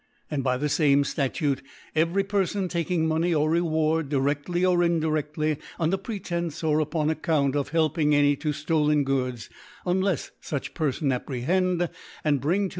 And by the fame Statute, ^very Perfon taking Money or Reward, direAly or indireftly, under Pretence or upon Ac count of helping any 10 ftolen Goods, un lefs fuch Perfon apprehend and bring to his ♦ 3 and 4 JV.